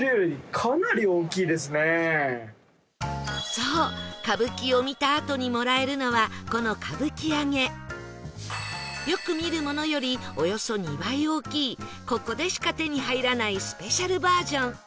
そう歌舞伎を見たあとにもらえるのはこのよく見るものよりおよそ２倍大きいここでしか手に入らないスペシャルバージョン